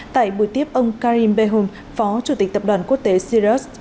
tại buổi tiếp ông karim behum phó chủ tịch tập đoàn quốc tế sirus